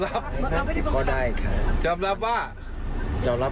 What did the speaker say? แล้วไปบังคับเขาให้เขายอมรับ